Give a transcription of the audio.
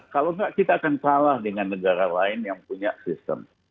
kalau enggak kita akan salah dengan negara lain yang punya sistem